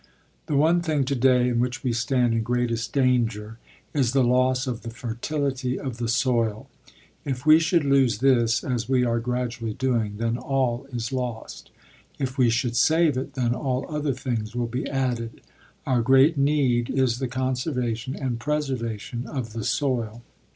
The one thing to day, in which we stand in greatest danger, is the loss of the fertility of the soil. If we should lose this, as we are gradually doing, then all is lost. If we should save it, then all other things will be added. Our great need is the conservation and preservation of the soil.